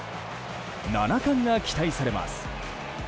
７冠が期待されます。